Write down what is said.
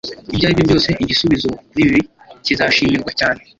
Ibyo aribyo byose, igisubizo kuri ibi kizashimirwa cyane